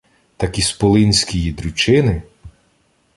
Так ісполинськії дрючини